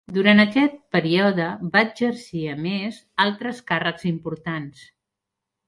Durant aquest període va exercir, a més, altres càrrecs importants.